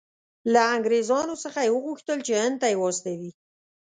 له انګریزانو څخه یې وغوښتل چې هند ته یې واستوي.